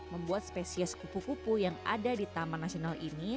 membuat spesies kupu kupu yang ada di taman nasional ini